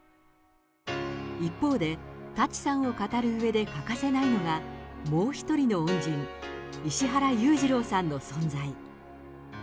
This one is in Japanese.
一方で、舘さんを語るうえで欠かせないのが、もう一人の恩人、石原裕次郎さんの存在。